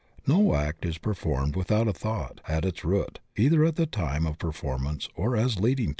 No act is performed without a thought at its root either at the time of performance or as leading to it.